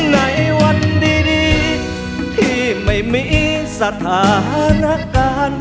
ในวันดีที่ไม่มีสถานการณ์